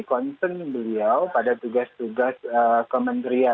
concern beliau pada tugas tugas kementerian